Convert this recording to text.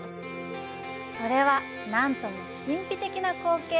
それは、なんとも神秘的な光景！